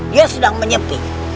dia sedang menyepik